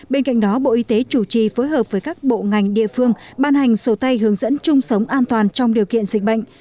bên cạnh đó bộ y tế chủ trì phối hợp với các bộ ngành địa phương ban hành sổ tay hướng dẫn chung sống an toàn trong điều kiện dịch bệnh